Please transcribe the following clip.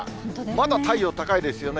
まだ太陽高いですよね。